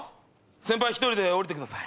先輩１人で下りてください。